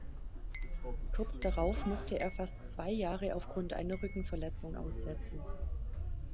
Kurz darauf musste er fast zwei Jahre aufgrund einer Rückenverletzung aussetzen.